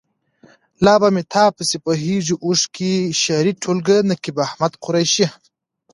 لا به مې تا پسې بهیږي اوښکې. شعري ټولګه. نقيب احمد قریشي.